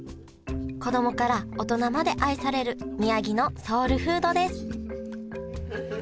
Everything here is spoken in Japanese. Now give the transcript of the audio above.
子供から大人まで愛される宮城のソウルフードです